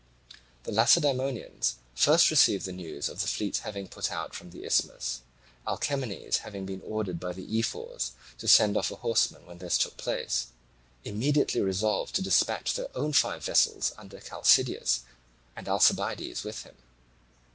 The Lacedaemonians first received the news of the fleet having put out from the Isthmus, Alcamenes having been ordered by the ephors to send off a horseman when this took place, and immediately resolved to dispatch their own five vessels under Chalcideus, and Alcibiades with him.